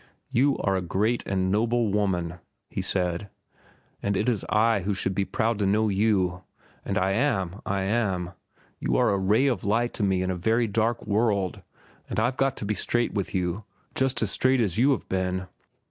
"You are a great and noble woman," he said. "And it is I who should be proud to know you. And I am, I am. You are a ray of light to me in a very dark world, and I've got to be straight with you, just as straight as you have been."